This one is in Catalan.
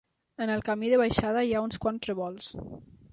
En el camí de baixada hi ha uns quants revolts.